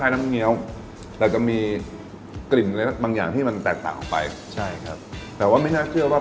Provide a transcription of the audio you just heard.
น้ำเงี้ยวเราจะมีกลิ่นอะไรบางอย่างที่มันแตกต่างออกไปใช่ครับแต่ว่าไม่น่าเชื่อว่า